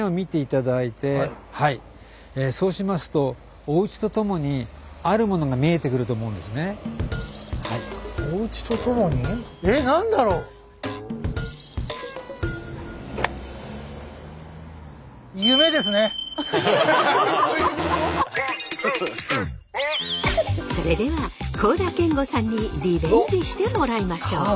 そうしますとそれでは高良健吾さんにリベンジしてもらいましょう。